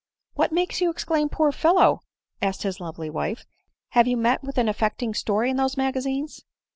" What makes you exclaim * Poor fellow ?'" asked his his lovely wife ;" have you met with an affecting story in those magazines